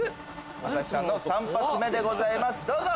朝日さんの３発目でございますどうぞ！